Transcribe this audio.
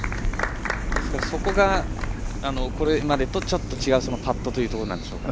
そこが、これまでとちょっと違うパットというところなんでしょうかね。